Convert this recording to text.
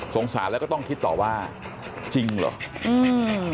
สารแล้วก็ต้องคิดต่อว่าจริงเหรออืม